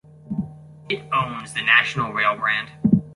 It owns the National Rail brand.